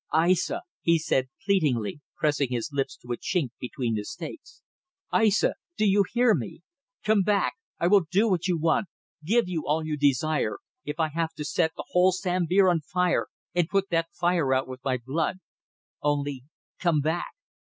"Aissa," he said, pleadingly, pressing his lips to a chink between the stakes. "Aissa, do you hear me? Come back! I will do what you want, give you all you desire if I have to set the whole Sambir on fire and put that fire out with blood. Only come back.